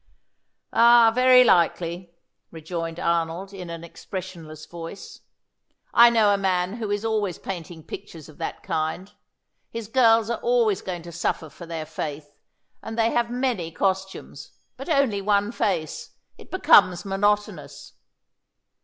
"Ah, very likely," rejoined Arnold in an expressionless voice. "I know a man who is always painting pictures of that kind. His girls are always going to suffer for their faith, and they have many costumes, but only one face. It becomes monotonous."